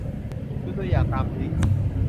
ดูตัวอย่างตามลิงก์